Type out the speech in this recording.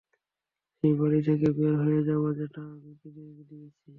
সেই বাড়ি থেকে বের হয়ে যাবো যেটা আমি কিনে দিয়েছি?